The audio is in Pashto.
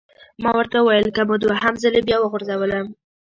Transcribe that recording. ما ورته وویل: که مو دوهم ځلي بیا وغورځولم!